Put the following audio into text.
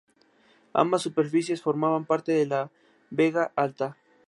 Ambas superficies formaban parte de la Vega Alta.